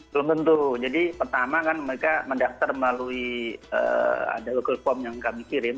belum tentu jadi pertama kan mereka mendaftar melalui ada local form yang kami kirim